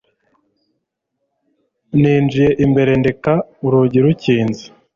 Ninjiye imbere, ndeka urugi rukinze.